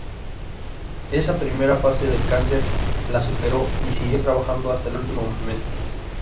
Esa primera fase del cáncer la superó y siguió trabajando hasta el último momento.